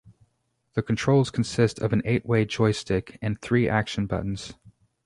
The controls consists of an eight-way joystick and three action buttons.